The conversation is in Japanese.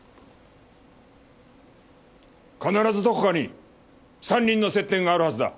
必ずどこかに３人の接点があるはずだ。